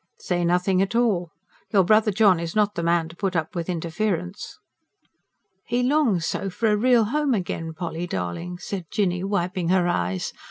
"Say nothing at all. Your brother John is not the man to put up with interference." "He longs so for a real home again, Polly darling," said Jinny, wiping her eyes.